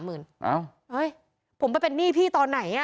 เฮ้ยผมไปเป็นหนี้พี่ตอนไหน